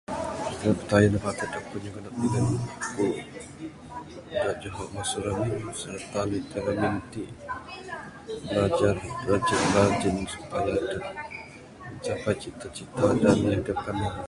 Seda pitayen dak patut jugon aku dak juho mesu remin serta ami dak remin t bilajar rajin rajin supaya dep capai cita-cita ne mehen pandai